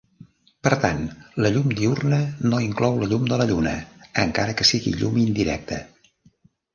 Per tant, la llum diürna no inclou la llum de la lluna, encara que sigui llum indirecta.